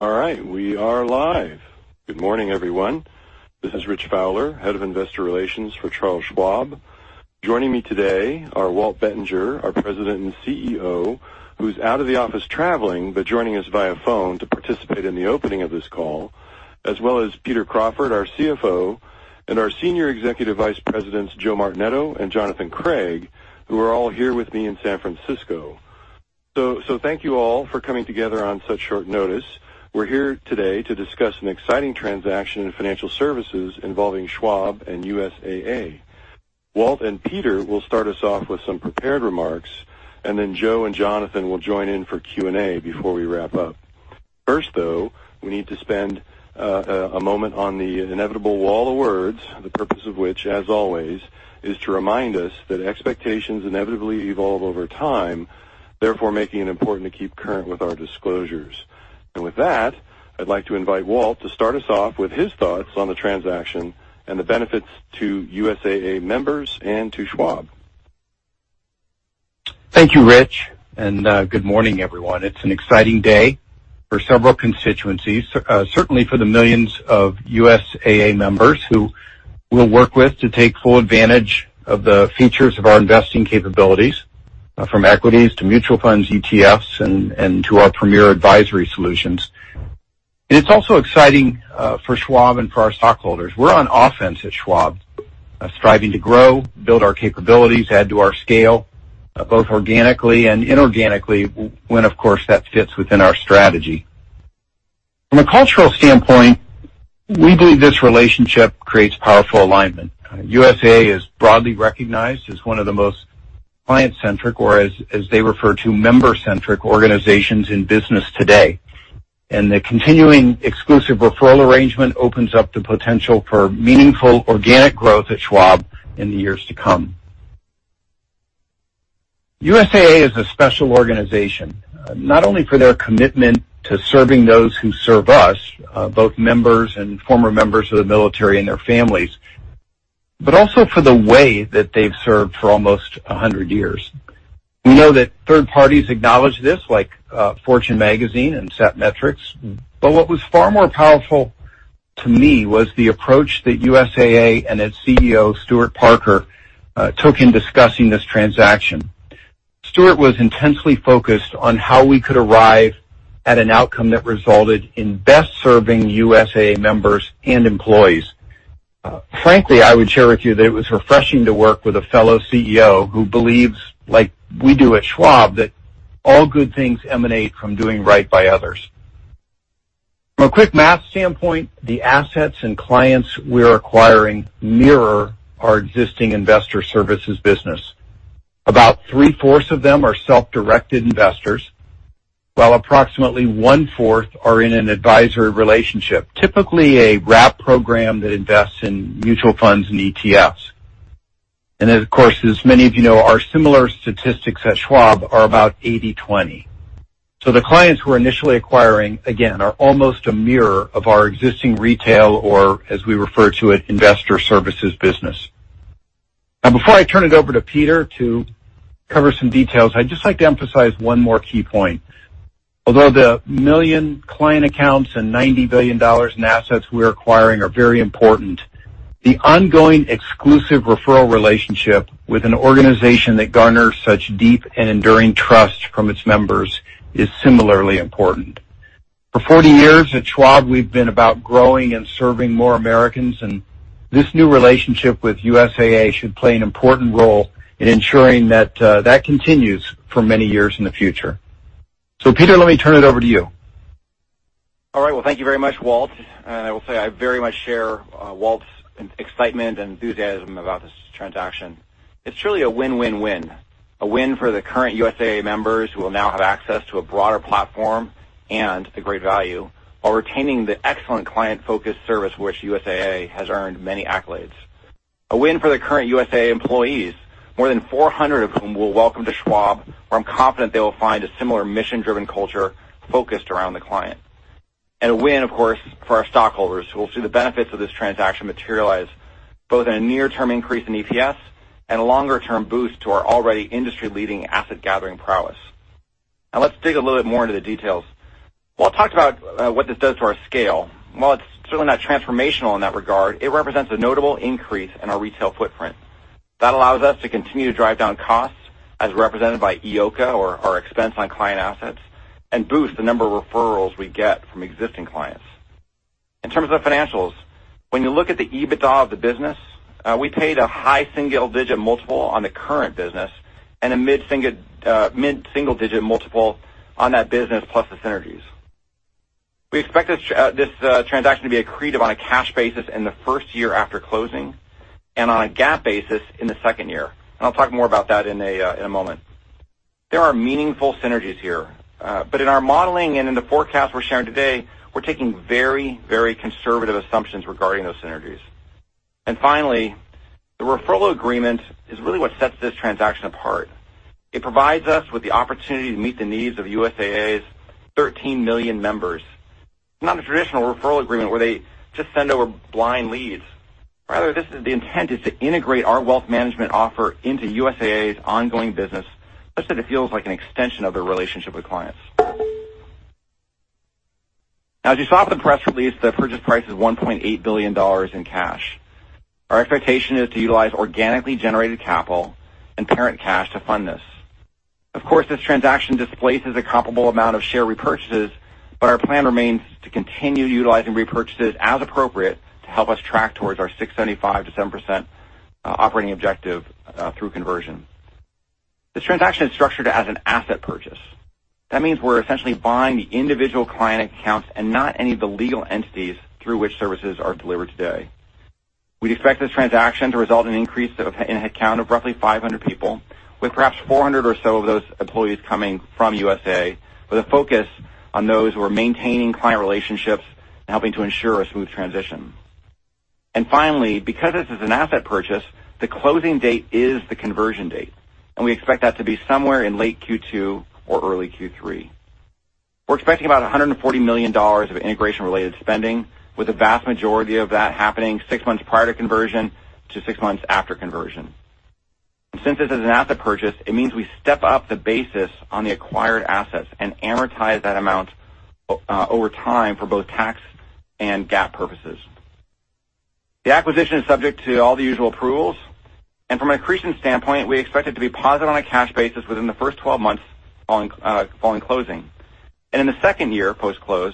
All right. We are live. Good morning, everyone. This is Rich Fowler, Head of Investor Relations for Charles Schwab. Joining me today are Walt Bettinger, our President and CEO, who's out of the office traveling, but joining us via phone to participate in the opening of this call, as well as Peter Crawford, our CFO, and our Senior Executive Vice Presidents, Joe Martinetto and Jonathan Craig, who are all here with me in San Francisco. Thank you all for coming together on such short notice. We're here today to discuss an exciting transaction in financial services involving Schwab and USAA. Walt and Peter will start us off with some prepared remarks, and then Joe and Jonathan will join in for Q&A before we wrap up. First, though, we need to spend a moment on the inevitable wall of words, the purpose of which, as always, is to remind us that expectations inevitably evolve over time, therefore making it important to keep current with our disclosures. With that, I'd like to invite Walt to start us off with his thoughts on the transaction and the benefits to USAA members and to Schwab. Thank you, Rich. Good morning, everyone. It's an exciting day for several constituencies, certainly for the millions of USAA members who we'll work with to take full advantage of the features of our investing capabilities, from equities to mutual funds, ETFs, and to our premier advisory solutions. It's also exciting for Schwab and for our stockholders. We're on offense at Schwab, striving to grow, build our capabilities, add to our scale, both organically and inorganically, when, of course, that fits within our strategy. From a cultural standpoint, we believe this relationship creates powerful alignment. USAA is broadly recognized as one of the most client-centric, or as they refer to, member-centric organizations in business today. The continuing exclusive referral arrangement opens up the potential for meaningful organic growth at Schwab in the years to come. USAA is a special organization, not only for their commitment to serving those who serve us, both members and former members of the military and their families, but also for the way that they've served for almost 100 years. We know that third parties acknowledge this, like Fortune Magazine and Satmetrix. What was far more powerful to me was the approach that USAA and its CEO, Stuart Parker, took in discussing this transaction. Stuart was intensely focused on how we could arrive at an outcome that resulted in best serving USAA members and employees. Frankly, I would share with you that it was refreshing to work with a fellow CEO who believes, like we do at Schwab, that all good things emanate from doing right by others. From a quick math standpoint, the assets and clients we're acquiring mirror our existing investor services business. About three-fourths of them are self-directed investors, while approximately one-fourth are in an advisory relationship, typically a wrap program that invests in mutual funds and ETFs. Of course, as many of you know, our similar statistics at Schwab are about 80/20. The clients we're initially acquiring, again, are almost a mirror of our existing retail, or as we refer to it, investor services business. Before I turn it over to Peter to cover some details, I'd just like to emphasize one more key point. Although the 1 million client accounts and $90 billion in assets we're acquiring are very important, the ongoing exclusive referral relationship with an organization that garners such deep and enduring trust from its members is similarly important. For 40 years at Schwab, we've been about growing and serving more Americans. This new relationship with USAA should play an important role in ensuring that continues for many years in the future. Peter, let me turn it over to you. All right. Well, thank you very much, Walt. I will say I very much share Walt's excitement and enthusiasm about this transaction. It's truly a win-win-win. A win for the current USAA members who will now have access to a broader platform and a great value while retaining the excellent client-focused service for which USAA has earned many accolades. A win for the current USAA employees, more than 400 of whom we'll welcome to Schwab, where I'm confident they will find a similar mission-driven culture focused around the client. A win, of course, for our stockholders, who will see the benefits of this transaction materialize both in a near-term increase in EPS and a longer-term boost to our already industry-leading asset-gathering prowess. Let's dig a little bit more into the details. Walt talked about what this does to our scale. While it's certainly not transformational in that regard, it represents a notable increase in our retail footprint. That allows us to continue to drive down costs as represented by EOCA, or our expense on client assets, and boost the number of referrals we get from existing clients. In terms of financials, when you look at the EBITDA of the business, we paid a high single-digit multiple on the current business and a mid-single-digit multiple on that business plus the synergies. We expect this transaction to be accretive on a cash basis in the first year after closing and on a GAAP basis in the second year. I'll talk more about that in a moment. There are meaningful synergies here. In our modeling and in the forecast we're sharing today, we're taking very conservative assumptions regarding those synergies. Finally, the referral agreement is really what sets this transaction apart. It provides us with the opportunity to meet the needs of USAA's 13 million members. It's not a traditional referral agreement where they just send over blind leads. Rather, the intent is to integrate our wealth management offer into USAA's ongoing business such that it feels like an extension of their relationship with clients. As you saw from the press release, the purchase price is $1.8 billion in cash. Our expectation is to utilize organically generated capital and parent cash to fund this. This transaction displaces a comparable amount of share repurchases, but our plan remains to continue utilizing repurchases as appropriate to help us track towards our 6.75%-7% operating objective through conversion. This transaction is structured as an asset purchase. That means we're essentially buying the individual client accounts and not any of the legal entities through which services are delivered today. We'd expect this transaction to result in an increase in headcount of roughly 500 people, with perhaps 400 or so of those employees coming from USAA, with a focus on those who are maintaining client relationships and helping to ensure a smooth transition. Finally, because this is an asset purchase, the closing date is the conversion date, and we expect that to be somewhere in late Q2 or early Q3. We're expecting about $140 million of integration-related spending, with the vast majority of that happening six months prior to conversion to six months after conversion. Since this is an asset purchase, it means we step up the basis on the acquired assets and amortize that amount over time for both tax and GAAP purposes. The acquisition is subject to all the usual approvals. From an accretion standpoint, we expect it to be positive on a cash basis within the first 12 months following closing. In the second year post-close,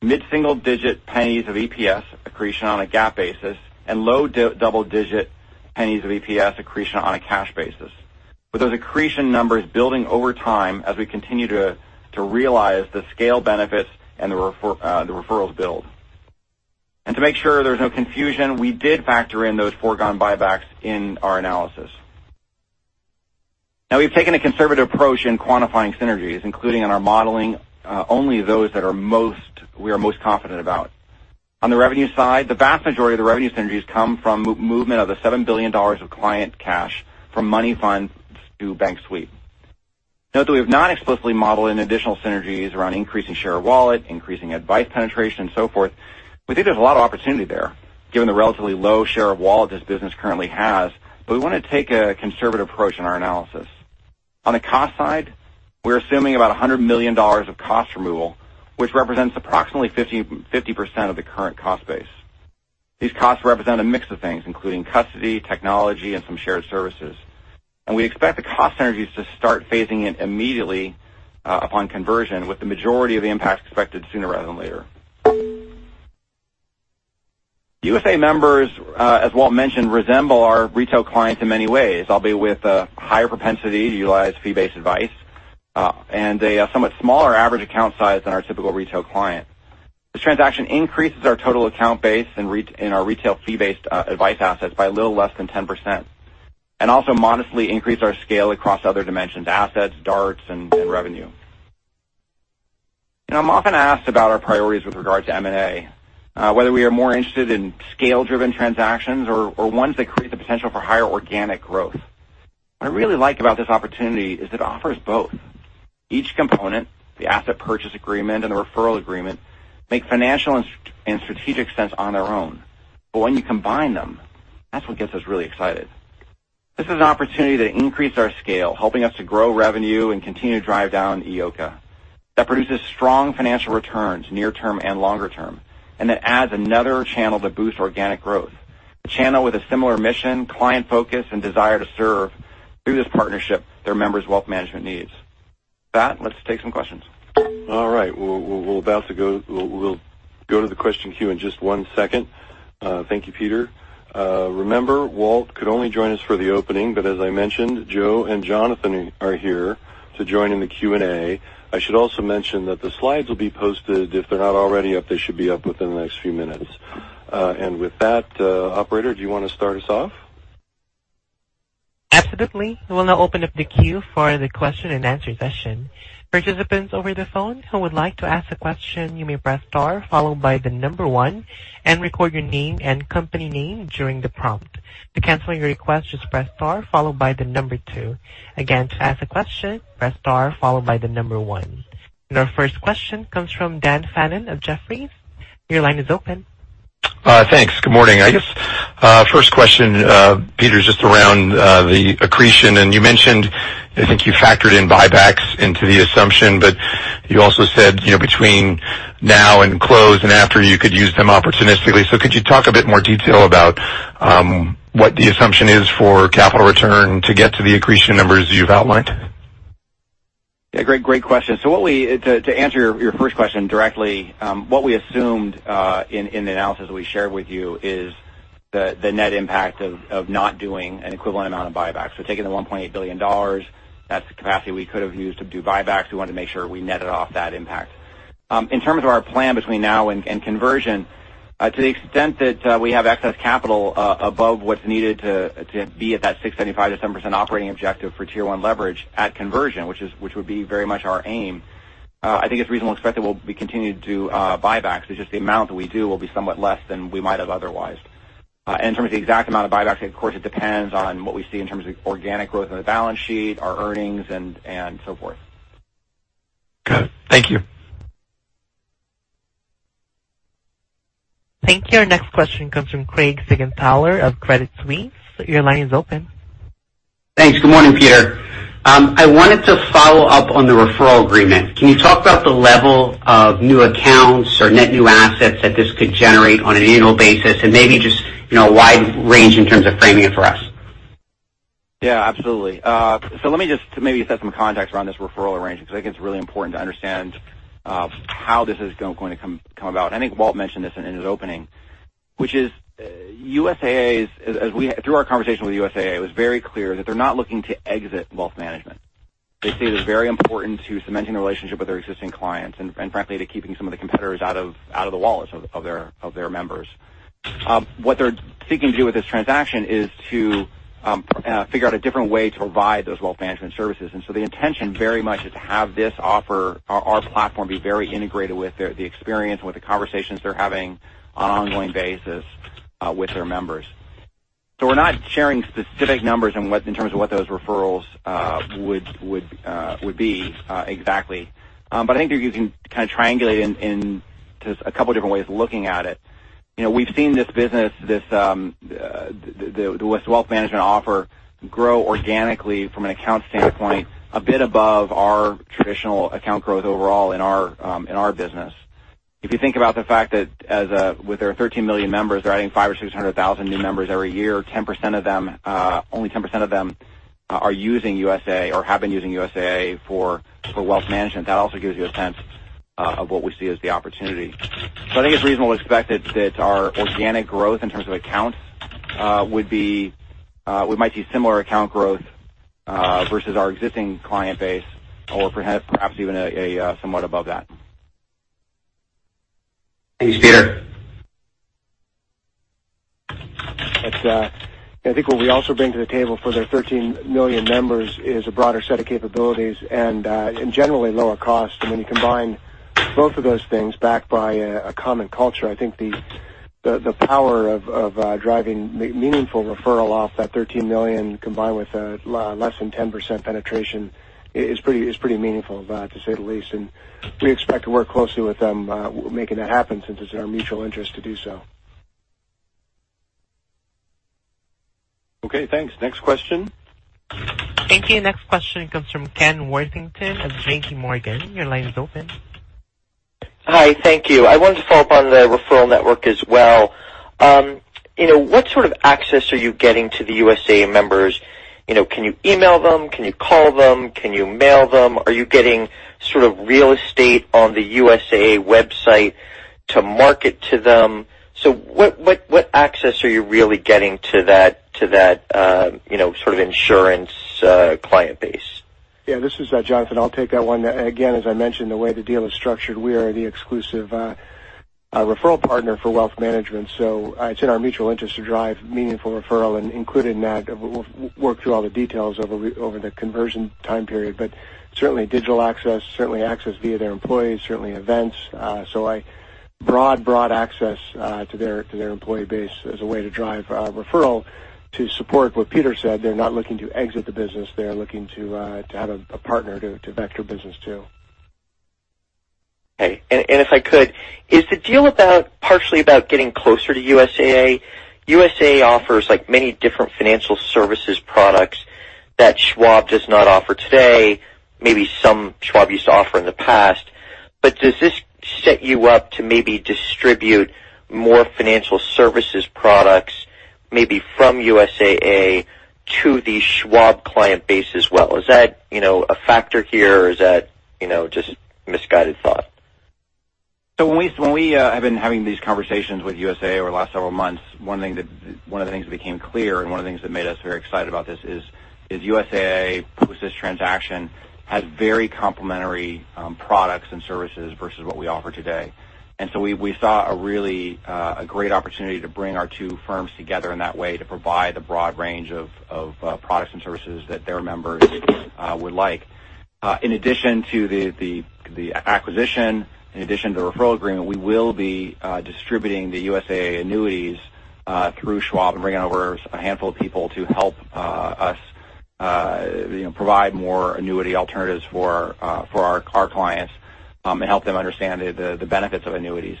mid-single-digit pennies of EPS accretion on a GAAP basis and low double-digit pennies of EPS accretion on a cash basis, with those accretion numbers building over time as we continue to realize the scale benefits and the referrals build. To make sure there's no confusion, we did factor in those foregone buybacks in our analysis. Now we've taken a conservative approach in quantifying synergies, including in our modeling only those that we are most confident about. On the revenue side, the vast majority of the revenue synergies come from movement of the $7 billion of client cash from money funds to bank sweep. Note that we have not explicitly modeled in additional synergies around increasing share of wallet, increasing advice penetration, and so forth. We think there's a lot of opportunity there given the relatively low share of wallet this business currently has, but we want to take a conservative approach in our analysis. On the cost side, we're assuming about $100 million of cost removal, which represents approximately 50% of the current cost base. These costs represent a mix of things, including custody, technology, and some shared services. We expect the cost synergies to start phasing in immediately upon conversion, with the majority of the impact expected sooner rather than later. USAA members, as Walt mentioned, resemble our retail clients in many ways, albeit with a higher propensity to utilize fee-based advice and a somewhat smaller average account size than our typical retail client. This transaction increases our total account base in our retail fee-based advice assets by a little less than 10% and also modestly increase our scale across other dimensions, assets, DARTs, and revenue. I'm often asked about our priorities with regard to M&A, whether we are more interested in scale-driven transactions or ones that create the potential for higher organic growth. What I really like about this opportunity is it offers both. Each component, the asset purchase agreement and the referral agreement, make financial and strategic sense on their own. When you combine them, that's what gets us really excited. This is an opportunity to increase our scale, helping us to grow revenue and continue to drive down EOCA. That produces strong financial returns near term and longer term, and then adds another channel to boost organic growth, a channel with a similar mission, client focus, and desire to serve through this partnership their members' wealth management needs. With that, let's take some questions. All right. We'll go to the question queue in just one second. Thank you, Peter. Remember, Walt could only join us for the opening, but as I mentioned, Joe and Jonathan are here to join in the Q&A. I should also mention that the slides will be posted. If they're not already up, they should be up within the next few minutes. With that, Operator, do you want to start us off? Absolutely. I will now open up the queue for the question-and-answer session. Participants over the phone, who would like to ask a question, you may press star followed by the number one and record your name and company name during the prompt. To cancel your request, just press star followed by the number two. Again, to ask a question, press star followed by the number one. Our first question comes from Dan Fannon of Jefferies. Your line is open. Thanks. Good morning. Yes. First question, Peter, just around the accretion. You mentioned, I think you factored in buybacks into the assumption. You also said between now and close and after you could use them opportunistically. Could you talk a bit more detail about what the assumption is for capital return to get to the accretion numbers you've outlined? Yeah, great question. To answer your first question directly, what we assumed in the analysis we shared with you is the net impact of not doing an equivalent amount of buybacks. Taking the $1.8 billion, that's the capacity we could have used to do buybacks. We wanted to make sure we netted off that impact. In terms of our plan between now and conversion, to the extent that we have excess capital above what's needed to be at that 6.75%-7% operating objective for Tier 1 leverage at conversion, which would be very much our aim, I think it's reasonable to expect that we'll be continuing to do buybacks. It's just the amount that we do will be somewhat less than we might have otherwise. In terms of the exact amount of buybacks, of course, it depends on what we see in terms of organic growth in the balance sheet, our earnings, and so forth. Got it. Thank you. Thank you. Our next question comes from Craig Siegenthaler of Credit Suisse. Your line is open. Thanks. Good morning, Peter. I wanted to follow up on the referral agreement. Can you talk about the level of new accounts or net new assets that this could generate on an annual basis and maybe just a wide range in terms of framing it for us? Yeah, absolutely. Let me just maybe set some context around this referral arrangement, because I think it's really important to understand how this is going to come about. I think Walt mentioned this in his opening, which is through our conversation with USAA, it was very clear that they're not looking to exit wealth management. They see it as very important to cementing the relationship with their existing clients and frankly, to keeping some of the competitors out of the wallets of their members. What they're seeking to do with this transaction is to figure out a different way to provide those wealth management services. The intention very much is to have this offer, our platform, be very integrated with the experience and with the conversations they're having on an ongoing basis with their members. We're not sharing specific numbers in terms of what those referrals would be exactly. I think you can kind of triangulate in just a couple different ways of looking at it. We've seen this business, this wealth management offer, grow organically from an account standpoint, a bit above our traditional account growth overall in our business. If you think about the fact that with their 13 million members, they're adding five or 600,000 new members every year, only 10% of them are using USAA or have been using USAA for wealth management. That also gives you a sense of what we see as the opportunity. I think it's reasonable to expect that our organic growth in terms of accounts, we might see similar account growth, versus our existing client base or perhaps even somewhat above that. Thanks, Peter. I think what we also bring to the table for their 13 million members is a broader set of capabilities and generally lower cost. When you combine both of those things backed by a common culture, I think the power of driving meaningful referral off that 13 million combined with less than 10% penetration is pretty meaningful to say the least. We expect to work closely with them making that happen since it's in our mutual interest to do so. Okay, thanks. Next question. Thank you. Next question comes from Ken Worthington of J.P. Morgan. Your line is open. Hi. Thank you. I wanted to follow up on the referral network as well. What sort of access are you getting to the USAA members? Can you email them? Can you call them? Can you mail them? Are you getting sort of real estate on the USAA website to market to them? What access are you really getting to that sort of insurance client base? Yeah. This is Jonathan. I'll take that one. Again, as I mentioned, the way the deal is structured, we are the exclusive referral partner for wealth management. It's in our mutual interest to drive meaningful referral and included in that, we'll work through all the details over the conversion time period. Certainly digital access, certainly access via their employees, certainly events. Broad access to their employee base as a way to drive referral to support what Peter said. They're not looking to exit the business. They're looking to have a partner to vector business to. Okay. If I could, is the deal partially about getting closer to USAA? USAA offers many different financial services products that Schwab does not offer today, maybe some Schwab used to offer in the past. Does this set you up to maybe distribute more financial services products, maybe from USAA to the Schwab client base as well? Is that a factor here or is that just misguided thought? When we have been having these conversations with USAA over the last several months, one of the things that became clear and one of the things that made us very excited about this is USAA, post this transaction, has very complementary products and services versus what we offer today. We saw a great opportunity to bring our two firms together in that way to provide the broad range of products and services that their members would like. In addition to the acquisition, in addition to the referral agreement, we will be distributing the USAA annuities through Schwab and bringing over a handful of people to help us provide more annuity alternatives for our clients and help them understand the benefits of annuities.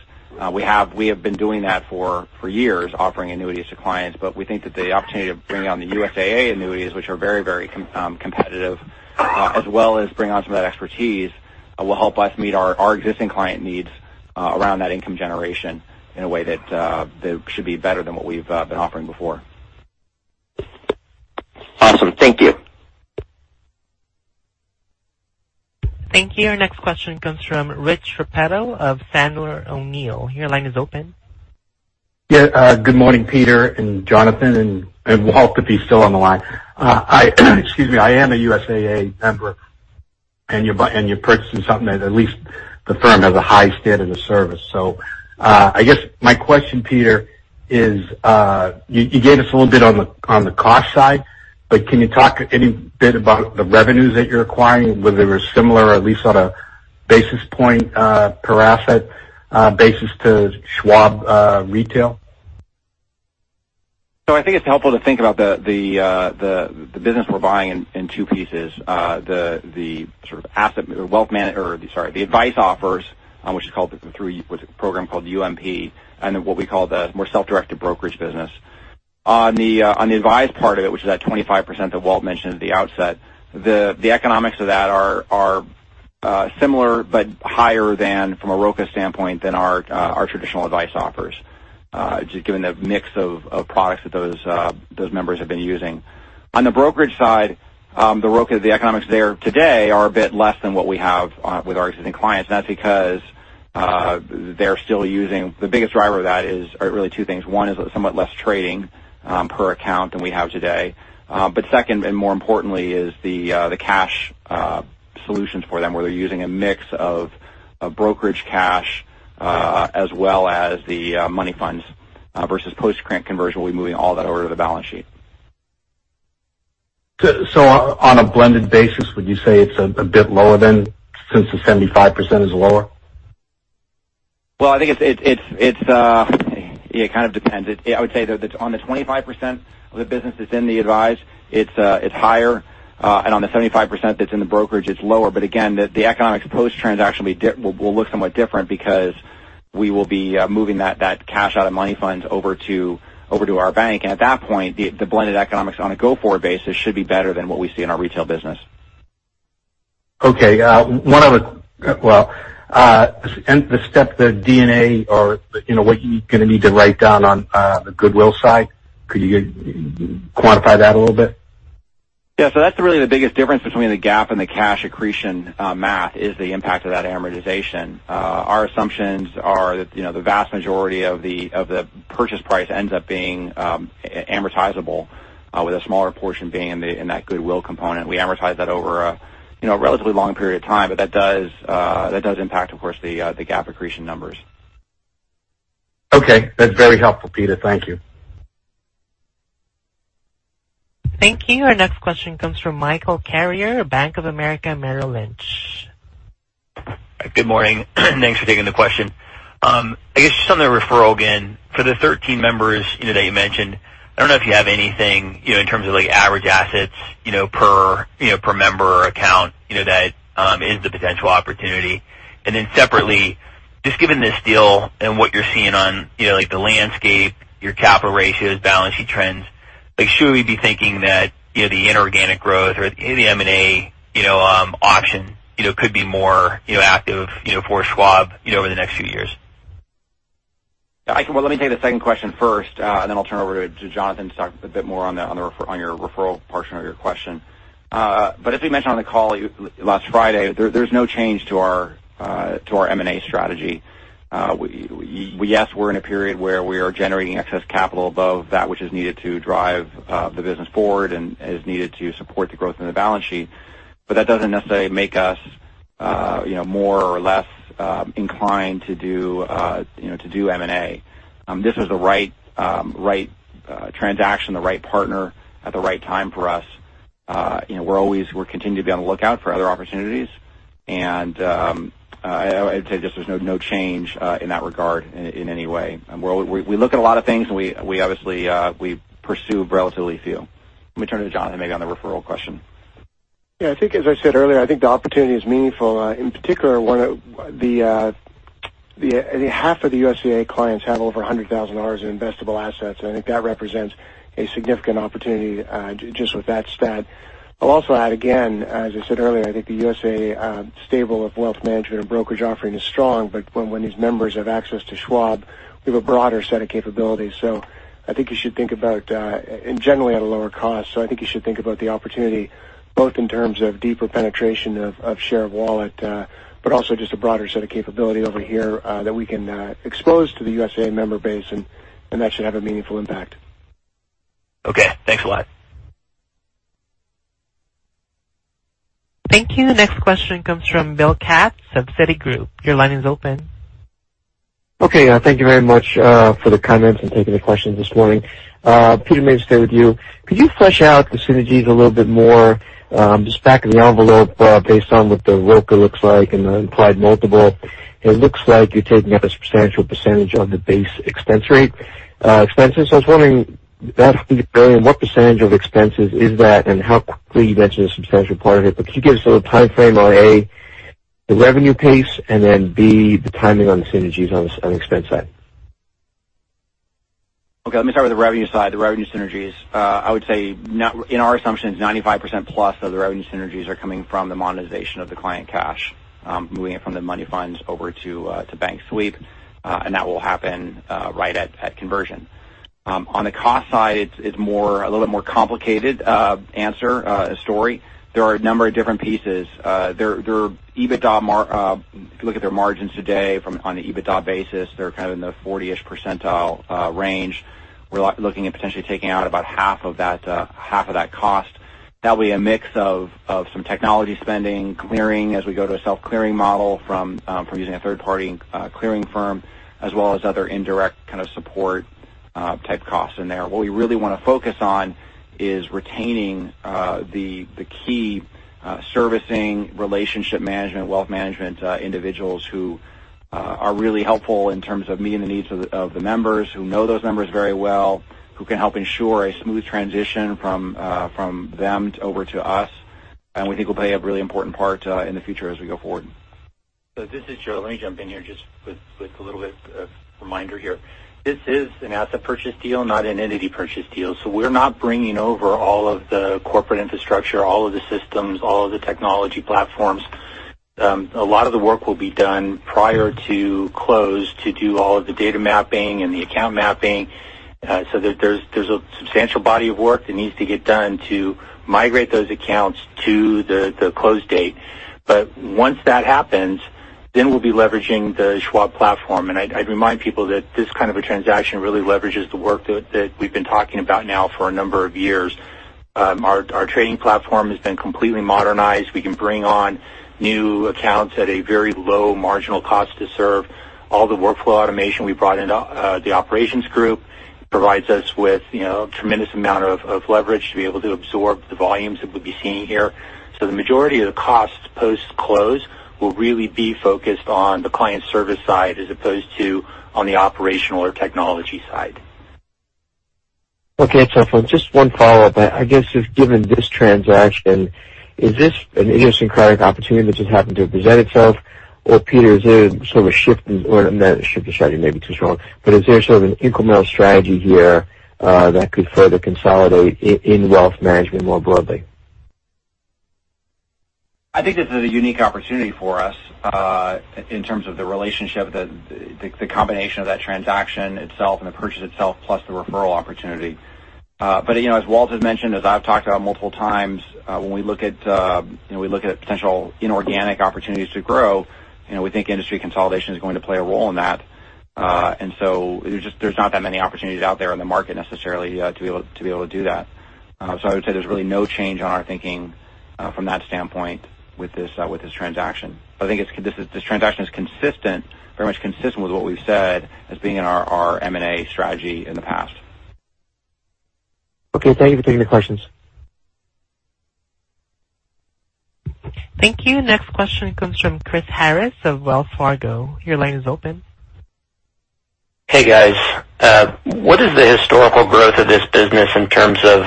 We have been doing that for years, offering annuities to clients. We think that the opportunity of bringing on the USAA annuities, which are very competitive, as well as bring on some of that expertise, will help us meet our existing client needs around that income generation in a way that should be better than what we've been offering before. Awesome. Thank you. Thank you. Our next question comes from Rich Repetto of Sandler O'Neill. Your line is open. Good morning, Peter and Jonathan, and Walt, if he's still on the line. Excuse me. I am a USAA member, and you're purchasing something that at least the firm has a high standard of service. I guess my question, Peter, is you gave us a little bit on the cost side, but can you talk any bit about the revenues that you're acquiring, whether they're similar or at least on a basis point per asset basis to Schwab retail? I think it's helpful to think about the business we're buying in two pieces. The advice offers, which is a program called UMP, and then what we call the more self-directed brokerage business. The advice part of it, which is that 25% that Walt mentioned at the outset, the economics of that are similar but higher than from a ROCA standpoint than our traditional advice offers, just given the mix of products that those members have been using. The brokerage side, the ROCA, the economics there today are a bit less than what we have with our existing clients, and that's because the biggest driver of that is really two things. One is somewhat less trading per account than we have today. Second, and more importantly, is the cash solutions for them, where they're using a mix of brokerage cash as well as the money funds versus post-trans conversion, we'll be moving all that over to the balance sheet. On a blended basis, would you say it's a bit lower then since the 75% is lower? Well, I think it depends. I would say that on the 25% of the business that's in the advise, it's higher, and on the 75% that's in the brokerage, it's lower. Again, the economics post-transaction will look somewhat different because we will be moving that cash out of money funds over to our bank. At that point, the blended economics on a go-forward basis should be better than what we see in our retail business. Okay. The step, the D&A, or what you're going to need to write down on the goodwill side, could you quantify that a little bit? Yeah. That's really the biggest difference between the GAAP and the cash accretion math is the impact of that amortization. Our assumptions are that the vast majority of the purchase price ends up being amortizable, with a smaller portion being in that goodwill component. We amortize that over a relatively long period of time, but that does impact, of course, the GAAP accretion numbers. Okay. That's very helpful, Peter. Thank you. Thank you. Our next question comes from Michael Carrier, Bank of America Merrill Lynch. Good morning. Thanks for taking the question. I guess just on the referral again, for the 13 members that you mentioned, I don't know if you have anything in terms of average assets per member or account that is the potential opportunity. Separately, just given this deal and what you're seeing on the landscape, your capital ratios, balance sheet trends, should we be thinking that the inorganic growth or the M&A option could be more active for Schwab over the next few years? Well, let me take the second question first, then I'll turn it over to Jonathan to talk a bit more on your referral portion of your question. As we mentioned on the call last Friday, there's no change to our M&A strategy. Yes, we're in a period where we are generating excess capital above that which is needed to drive the business forward and is needed to support the growth in the balance sheet. That doesn't necessarily make us more or less inclined to do M&A. This was the right transaction, the right partner at the right time for us. We'll continue to be on the lookout for other opportunities. I would say there's no change in that regard in any way. We look at a lot of things, obviously we pursue relatively few. Let me turn to Jonathan maybe on the referral question. Yeah, I think as I said earlier, I think the opportunity is meaningful. In particular, half of the USAA clients have over $100,000 in investable assets, and I think that represents a significant opportunity just with that stat. I'll also add, again, as I said earlier, I think the USAA stable of wealth management and brokerage offering is strong, but when these members have access to Schwab, we have a broader set of capabilities. I think you should think about, and generally at a lower cost, I think you should think about the opportunity both in terms of deeper penetration of share of wallet, but also just a broader set of capability over here that we can expose to the USAA member base, and that should have a meaningful impact. Okay. Thanks a lot. Thank you. The next question comes from Bill Katz of Citigroup. Your line is open. Okay. Thank you very much for the comments and taking the questions this morning. Peter, maybe stay with you. Could you flesh out the synergies a little bit more? Just back of the envelope based on what the ROCA looks like and the implied multiple, it looks like you're taking up a substantial percentage of the base expense rate. I was wondering that, what percentage of expenses is that, and how quickly you mentioned a substantial part of it, but could you give us a little timeframe on, A, the revenue pace, and then B, the timing on the synergies on expense side? Okay. Let me start with the revenue side, the revenue synergies. I would say in our assumptions, 95% plus of the revenue synergies are coming from the monetization of the client cash, moving it from the money funds over to bank sweep. That will happen right at conversion. On the cost side, it's a little bit more complicated answer, story. There are a number of different pieces. If you look at their margins today from on an EBITDA basis, they're in the 40-ish percentile range. We're looking at potentially taking out about half of that cost. That'll be a mix of some technology spending, clearing as we go to a self-clearing model from using a third-party clearing firm, as well as other indirect kind of support-type costs in there. What we really want to focus on is retaining the key servicing relationship management, wealth management individuals who are really helpful in terms of meeting the needs of the members who know those members very well, who can help ensure a smooth transition from them over to us. We think will play a really important part in the future as we go forward. This is Joe. Let me jump in here just with a little bit of reminder here. This is an asset purchase deal, not an entity purchase deal. We're not bringing over all of the corporate infrastructure, all of the systems, all of the technology platforms. A lot of the work will be done prior to close to do all of the data mapping and the account mapping so that there's a substantial body of work that needs to get done to migrate those accounts to the close date. Once that happens, then we'll be leveraging the Schwab platform. I'd remind people that this kind of a transaction really leverages the work that we've been talking about now for a number of years. Our trading platform has been completely modernized. We can bring on new accounts at a very low marginal cost to serve all the workflow automation we brought into the operations group provides us with a tremendous amount of leverage to be able to absorb the volumes that we'll be seeing here. The majority of the costs post-close will really be focused on the client service side as opposed to on the operational or technology side. Okay. It's helpful. Just one follow-up. I guess, just given this transaction, is this an idiosyncratic opportunity that just happened to present itself? Peter, is there sort of a shift in strategy may be too strong, but is there sort of an incremental strategy here that could further consolidate in wealth management more broadly? I think this is a unique opportunity for us in terms of the relationship, the combination of that transaction itself and the purchase itself, plus the referral opportunity. As Walt has mentioned, as I've talked about multiple times, when we look at potential inorganic opportunities to grow, we think industry consolidation is going to play a role in that. There's not that many opportunities out there in the market necessarily to be able to do that. I would say there's really no change in our thinking from that standpoint with this transaction. I think this transaction is very much consistent with what we've said as being in our M&A strategy in the past. Okay. Thank you for taking the questions. Thank you. Next question comes from Chris Harris of Wells Fargo. Your line is open. Hey, guys. What is the historical growth of this business in terms of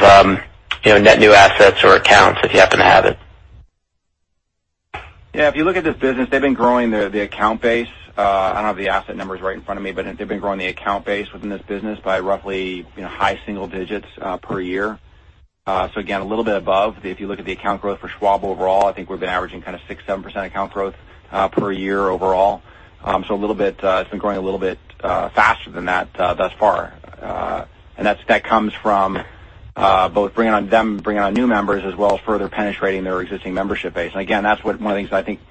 net new assets or accounts, if you happen to have it? Yeah. If you look at this business, they've been growing the account base. I don't have the asset numbers right in front of me, but they've been growing the account base within this business by roughly high single digits per year. Again, a little bit above. If you look at the account growth for Schwab overall, I think we've been averaging kind of six, seven percent account growth per year overall. It's been growing a little bit faster than that thus far. That comes from both bringing on new members, as well as further penetrating their existing membership base. Again, that's one of the things that I think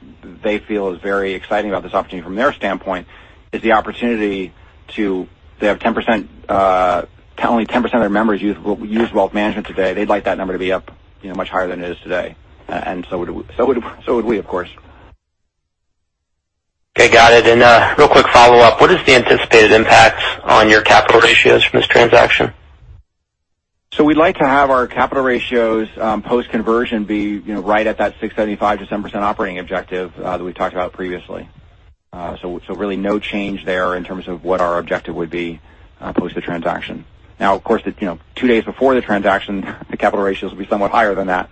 they feel is very exciting about this opportunity from their standpoint is the opportunity to have 10% account. Only 10% of their members use wealth management today. They'd like that number to be up much higher than it is today. And so would we, of course. Okay, got it. Real quick follow-up. What is the anticipated impact on your capital ratios from this transaction? We'd like to have our capital ratios, post-conversion, be right at that 675 to 7% operating objective that we talked about previously. Really no change there in terms of what our objective would be post the transaction. Of course, two days before the transaction, the capital ratios will be somewhat higher than that.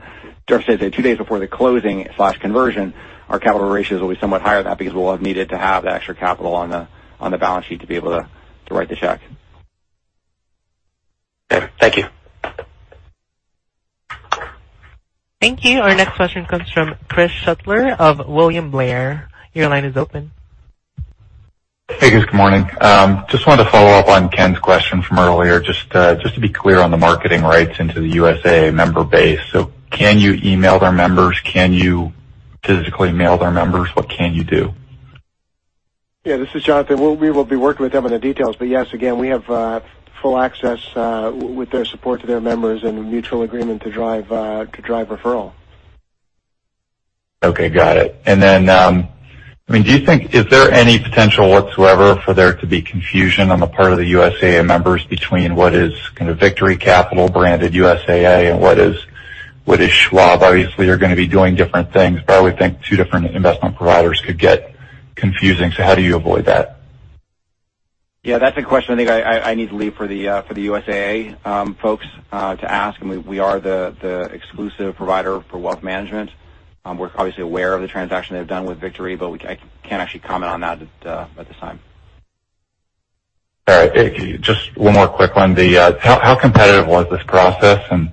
Two days before the closing/conversion, our capital ratios will be somewhat higher than that because we'll have needed to have that extra capital on the balance sheet to be able to write the check. Okay. Thank you. Thank you. Our next question comes from Chris Shutler of William Blair. Your line is open. Hey, guys. Good morning. Just wanted to follow up on Ken's question from earlier just to be clear on the marketing rights into the USAA member base. Can you email their members? Can you physically mail their members? What can you do? Yeah, this is Jonathan. We will be working with them on the details, but yes, again, we have full access with their support to their members and a mutual agreement to drive referral. Okay, got it. Is there any potential whatsoever for there to be confusion on the part of the USAA members between what is kind of Victory Capital branded USAA and what is Schwab? Obviously, you're going to be doing different things, but I would think two different investment providers could get confusing. How do you avoid that? Yeah, that's a question I think I need to leave for the USAA folks to ask. We are the exclusive provider for wealth management. We're obviously aware of the transaction they've done with Victory, but I can't actually comment on that at this time. All right. Just one more quick one. How competitive was this process? I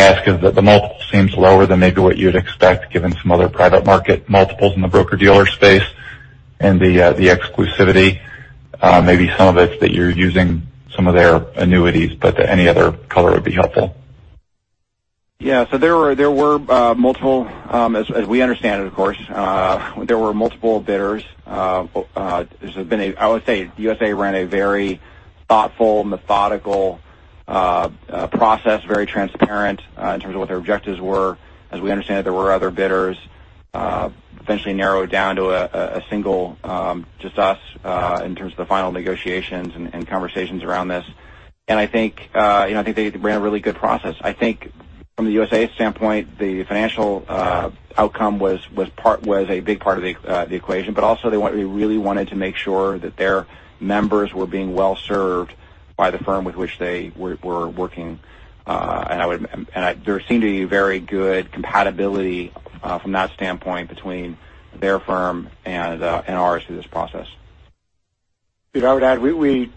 ask because the multiple seems lower than maybe what you'd expect given some other private market multiples in the broker-dealer space and the exclusivity. Maybe some of it that you're using some of their annuities, but any other color would be helpful. Yeah. There were multiple, as we understand it, of course, there were multiple bidders. I would say USAA ran a very thoughtful, methodical process, very transparent in terms of what their objectives were. As we understand it, there were other bidders eventually narrowed down to a single just us in terms of the final negotiations and conversations around this. I think they ran a really good process. I think from the USAA standpoint, the financial outcome was a big part of the equation, but also they really wanted to make sure that their members were being well-served by the firm with which they were working. There seemed to be very good compatibility from that standpoint between their firm and ours through this process. Peter, I would add, we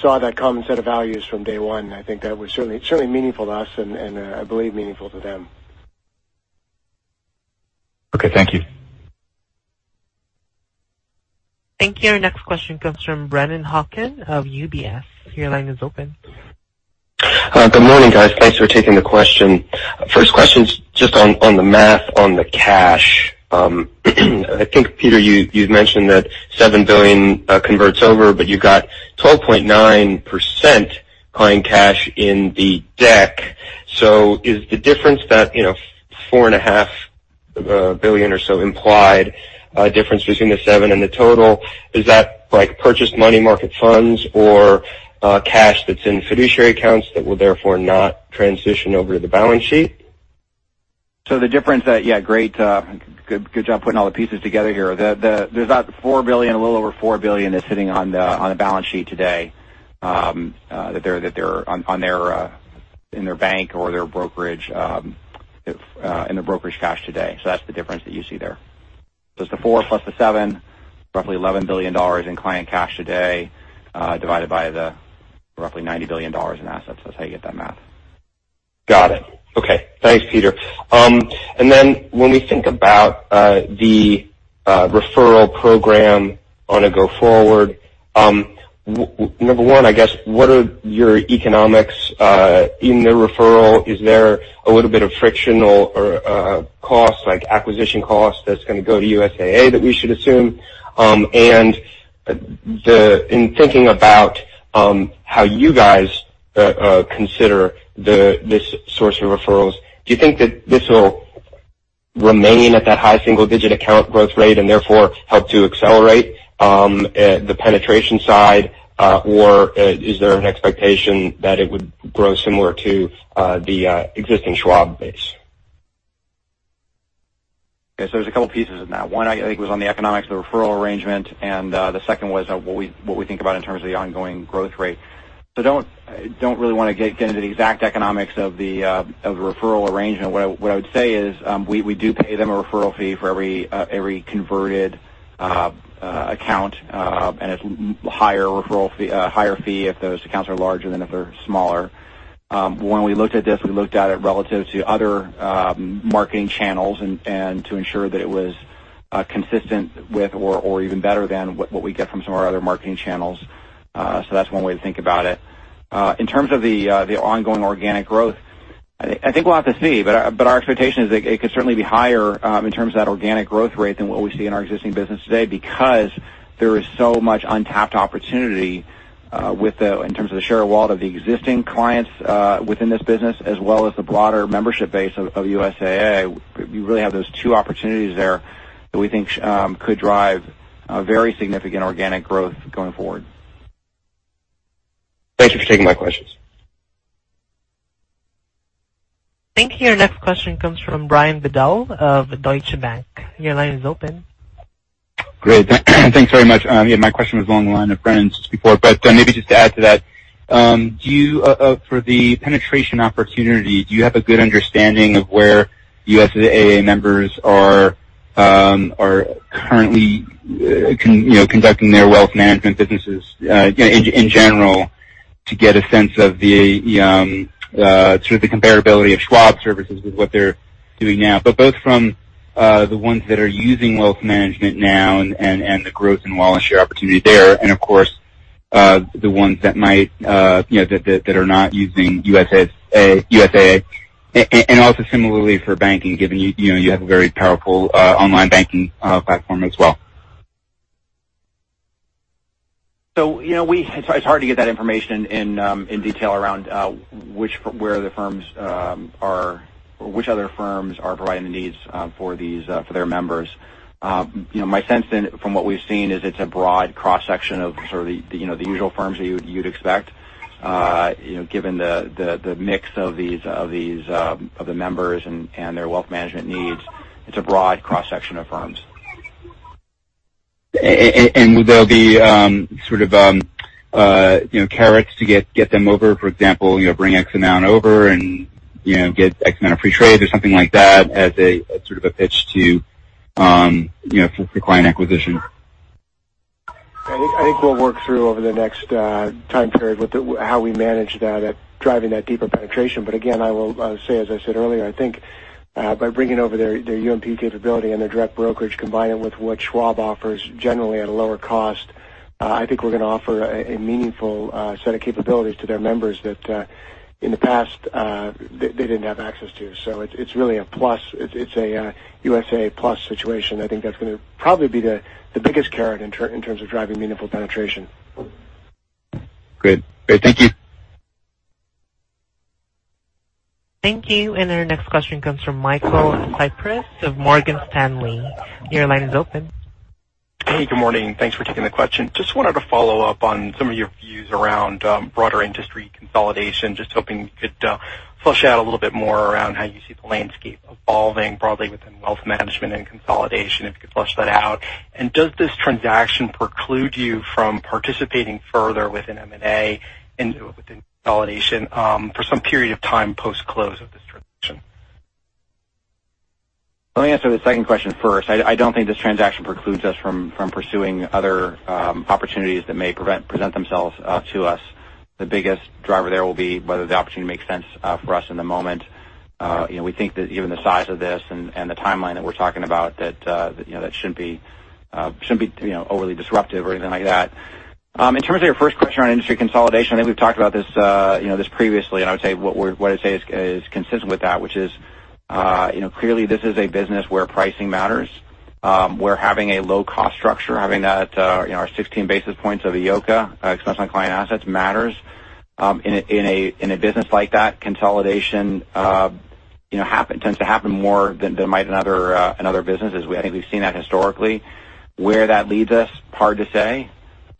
saw that common set of values from day one, and I think that was certainly meaningful to us and I believe meaningful to them. Okay. Thank you. Thank you. Our next question comes from Brennan Hawken of UBS. Your line is open. Good morning, guys. Thanks for taking the question. First question's just on the math on the cash. I think, Peter, you've mentioned that $7 billion converts over, you got 12.9% client cash in the deck. Is the difference that $four and a half billion or so implied difference between the seven and the total, is that purchased money market funds or cash that's in fiduciary accounts that will therefore not transition over to the balance sheet? The difference that, yeah, great. Good job putting all the pieces together here. There's about $4 billion, a little over $4 billion that's sitting on the balance sheet today, that they're in their bank or in their brokerage cash today. That's the difference that you see there. It's the four plus the seven, roughly $11 billion in client cash today, divided by the roughly $90 billion in assets. That's how you get that math. Got it. Okay. Thanks, Peter. When we think about the referral program on a go forward, number 1, I guess, what are your economics in the referral? Is there a little bit of frictional or cost, like acquisition cost, that's going to go to USAA that we should assume? In thinking about how you guys consider this source of referrals, do you think that this will remain at that high single-digit account growth rate and therefore help to accelerate the penetration side? Is there an expectation that it would grow similar to the existing Schwab base? There's a couple pieces of that. One, I think, was on the economics of the referral arrangement, and the second was what we think about in terms of the ongoing growth rate. Don't really want to get into the exact economics of the referral arrangement. What I would say is, we do pay them a referral fee for every converted account, and it's a higher fee if those accounts are larger than if they're smaller. When we looked at this, we looked at it relative to other marketing channels and to ensure that it was consistent with or even better than what we get from some of our other marketing channels. That's one way to think about it. In terms of the ongoing organic growth, I think we'll have to see, but our expectation is that it could certainly be higher in terms of that organic growth rate than what we see in our existing business today because there is so much untapped opportunity in terms of the share of wallet of the existing clients within this business as well as the broader membership base of USAA. We really have those two opportunities there that we think could drive very significant organic growth going forward. Thank you for taking my questions. Thank you. Our next question comes from Brian Bedell of Deutsche Bank. Your line is open. Great. Thanks very much. Yeah, my question was along the line of Brennan's just before. Maybe just to add to that, for the penetration opportunity, do you have a good understanding of where USAA members are currently conducting their wealth management businesses in general to get a sense of the comparability of Schwab services with what they're doing now? Both from the ones that are using wealth management now and the growth in wallet share opportunity there and, of course, the ones that are not using USAA. Also similarly for banking, given you have a very powerful online banking platform as well. It's hard to get that information in detail around which other firms are providing the needs for their members. My sense then from what we've seen is it's a broad cross-section of sort of the usual firms that you'd expect, given the mix of the members and their wealth management needs. It's a broad cross-section of firms. Will there be sort of carrots to get them over? For example, bring X amount over and get X amount of free trades or something like that as sort of a pitch to the client acquisition? I think we'll work through over the next time period how we manage that at driving that deeper penetration. Again, I will say, as I said earlier, I think by bringing over their UMP capability and their direct brokerage, combining with what Schwab offers generally at a lower cost, I think we're going to offer a meaningful set of capabilities to their members that in the past they didn't have access to. It's really a USAA plus situation. I think that's going to probably be the biggest carrot in terms of driving meaningful penetration. Great. Thank you. Thank you. Our next question comes from Michael Cyprys of Morgan Stanley. Your line is open. Hey, good morning. Thanks for taking the question. Just wanted to follow up on some of your views around broader industry consolidation. Just hoping you could flush out a little bit more around how you see the landscape evolving broadly within wealth management and consolidation, if you could flush that out. Does this transaction preclude you from participating further within M&A and within consolidation for some period of time post-close of this transaction? Let me answer the second question first. I don't think this transaction precludes us from pursuing other opportunities that may present themselves to us. The biggest driver there will be whether the opportunity makes sense for us in the moment. We think that given the size of this and the timeline that we're talking about, that shouldn't be overly disruptive or anything like that. In terms of your first question on industry consolidation, I think we've talked about this previously, and what I'd say is consistent with that, which is clearly this is a business where pricing matters, where having a low-cost structure, having that 16 basis points of EOCA expense on client assets matters. In a business like that, consolidation tends to happen more than it might in other businesses. I think we've seen that historically. Where that leads us, hard to say.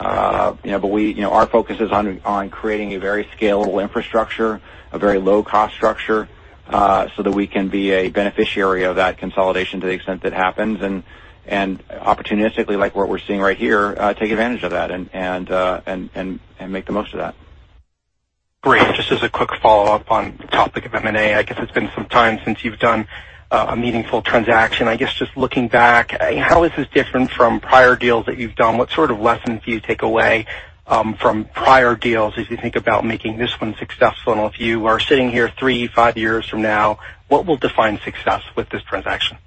Our focus is on creating a very scalable infrastructure, a very low-cost structure, so that we can be a beneficiary of that consolidation to the extent it happens, and opportunistically, like what we're seeing right here, take advantage of that and make the most of that. Great. Just as a quick follow-up on the topic of M&A, I guess it's been some time since you've done a meaningful transaction. I guess just looking back, how is this different from prior deals that you've done? What sort of lessons do you take away from prior deals as you think about making this one successful? If you are sitting here three, five years from now, what will define success with this transaction?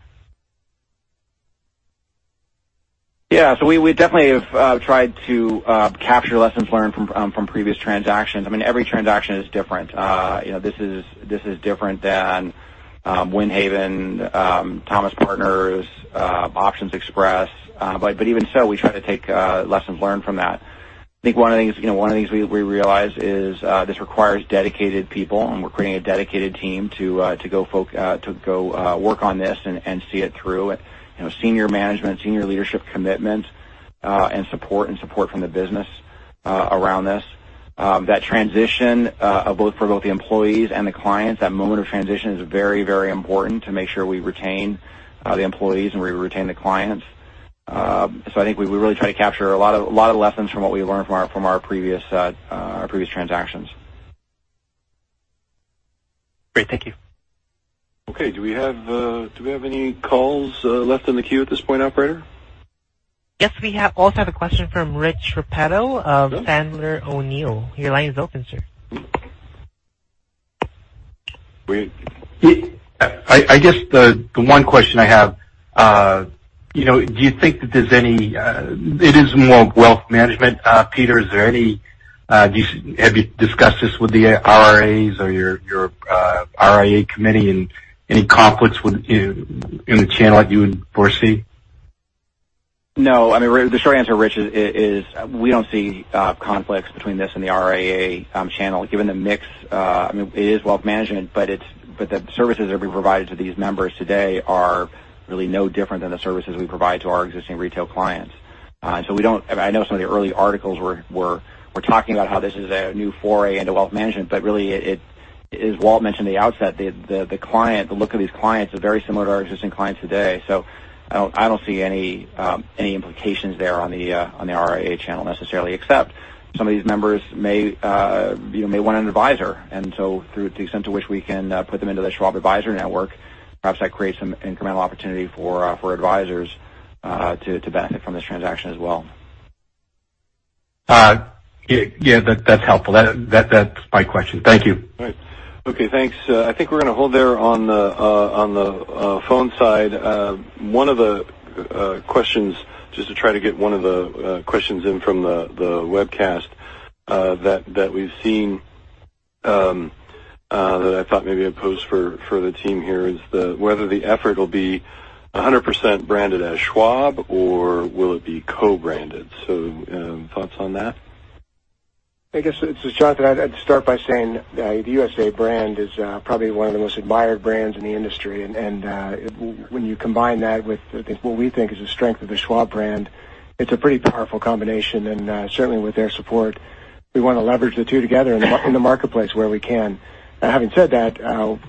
Yeah. We definitely have tried to capture lessons learned from previous transactions. Every transaction is different. This is different than Windhaven, ThomasPartners, optionsXpress. Even so, we try to take lessons learned from that. I think one of the things we realized is this requires dedicated people, and we're creating a dedicated team to go work on this and see it through. Senior management, senior leadership commitment and support, and support from the business around this. That transition for both the employees and the clients, that moment of transition is very important to make sure we retain the employees and we retain the clients. I think we really try to capture a lot of the lessons from what we learned from our previous transactions. Great. Thank you. Okay. Do we have any calls left in the queue at this point, operator? Yes. We also have a question from Rich Repetto of Sandler O'Neill. Your line is open, sir. Great. I guess the one question I have, it is more wealth management, Peter. Have you discussed this with the RIAs or your RIA committee and any conflicts in the channel that you would foresee? No. The short answer, Rich, is we don't see conflicts between this and the RIA channel given the mix. It is wealth management, the services that we provide to these members today are really no different than the services we provide to our existing retail clients. I know some of the early articles were talking about how this is a new foray into wealth management, really, as Walt mentioned at the outset, the look of these clients are very similar to our existing clients today. I don't see any implications there on the RIA channel necessarily, except some of these members may want an advisor. To the extent to which we can put them into the Schwab Advisor Network, perhaps that creates some incremental opportunity for advisors to benefit from this transaction as well. Yeah, that's helpful. That's my question. Thank you. All right. Okay, thanks. I think we're going to hold there on the phone side. Just to try to get one of the questions in from the webcast that we've seen that I thought maybe I'd pose for the team here is whether the effort will be 100% branded as Schwab or will it be co-branded? Thoughts on that? I guess it's Jonathan. I'd start by saying the USAA brand is probably one of the most admired brands in the industry. When you combine that with what we think is the strength of the Schwab brand, it's a pretty powerful combination, and certainly with their support, we want to leverage the two together in the marketplace where we can. Having said that,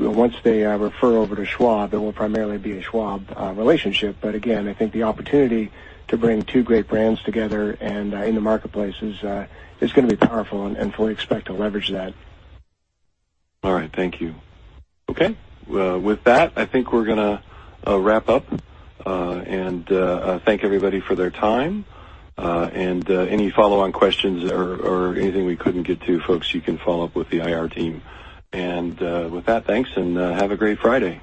once they refer over to Schwab, it will primarily be a Schwab relationship. Again, I think the opportunity to bring two great brands together and in the marketplace is going to be powerful, and fully expect to leverage that. All right. Thank you. Okay. With that, I think we're going to wrap up and thank everybody for their time. Any follow-on questions or anything we couldn't get to, folks, you can follow up with the IR team. With that, thanks, and have a great Friday.